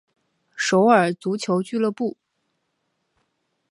首尔足球俱乐部。